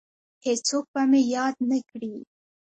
هیڅوک به مې یاد نه کړي